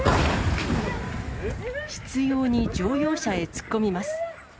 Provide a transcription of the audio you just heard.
執ように乗用車へ突っ込みます。